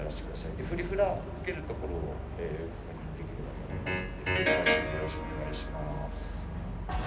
でフリフラつけるところを確認できればと思いますのでよろしくお願いします。